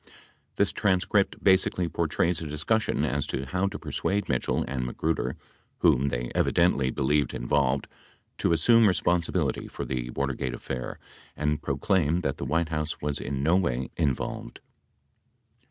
This transcript basically portrays a discussion as to how to persuade Mitchell and Ma gruder, whom they evidently believed involved, to assume respon sibility for the Watergate affair and proclaim that the White House was in no way involved.